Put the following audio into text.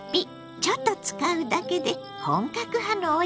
ちょっと使うだけで本格派のおいしさだったわ。